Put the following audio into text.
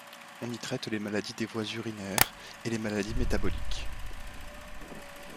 On y traite les maladies des voies urinaires, et les maladies métaboliques.